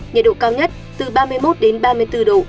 nhiệt độ cao nhất từ ba mươi một đến ba mươi bốn độ